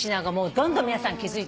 どんどん皆さん気付いて。